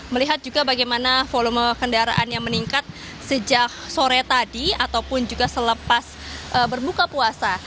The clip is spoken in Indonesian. melihat juga bagaimana volume kendaraan yang meningkat sejak sore tadi ataupun juga selepas berbuka puasa